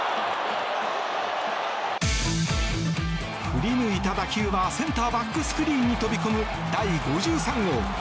振り抜いた打球はセンターバックスクリーンに飛び込む第５３号。